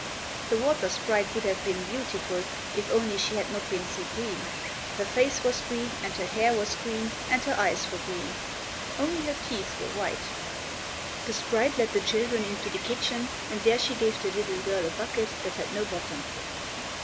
The water sprite would have been beautiful if only she had not been so green. Her face was green and her hair was green, and her eyes were green. Only her teeth were white. The sprite led the children into the kitchen and there she gave the little girl a bucket that had no bottom.